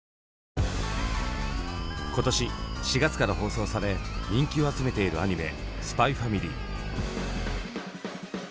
今年４月から放送され人気を集めているアニメ「ＳＰＹ×ＦＡＭＩＬＹ」。